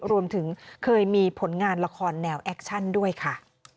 รวมถึงเคยมีผลงานละครแนวแอคชั่นด้วยค่ะ